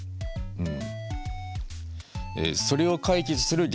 うん。